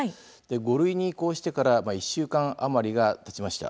５類に移行してから１週間余りがたちました。